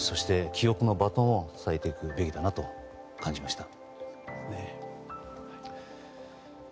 記憶のバトンを伝えていくべきだなと感じました。